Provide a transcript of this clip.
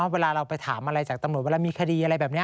เวลาเราไปถามอะไรจากตำรวจเวลามีคดีอะไรแบบนี้